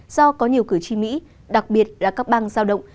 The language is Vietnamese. do có nhiều cử tri mỹ đặc biệt là các bang giao động